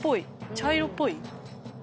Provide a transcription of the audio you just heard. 茶色っぽい。